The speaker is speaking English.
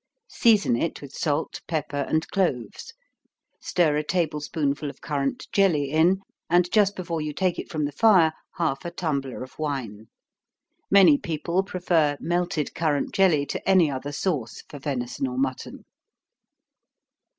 Season it with salt, pepper, and cloves stir a table spoonful of currant jelly in, and just before you take it from the fire, half a tumbler of wine. Many people prefer melted currant jelly to any other sauce for venison or mutton.